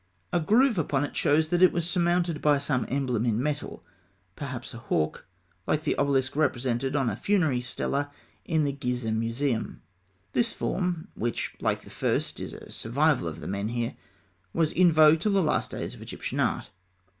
A groove upon it shows that it was surmounted by some emblem in metal, perhaps a hawk, like the obelisk represented on a funerary stela in the Gizeh Museum. This form, which like the first is a survival of the menhir, was in vogue till the last days of Egyptian art.